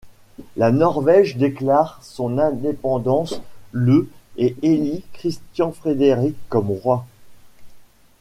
La Norvège déclare son indépendance le et élit Christian Frédéric comme roi.